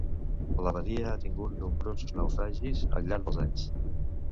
La badia ha tingut nombrosos naufragis al llarg dels anys.